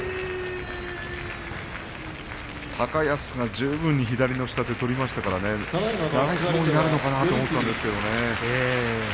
高安が十分に左の下手を取りましたからね長い相撲になるのかなと思ったんですけれど。